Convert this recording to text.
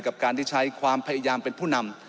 กับการที่ใช้ความพยายามเป็นผู้นำ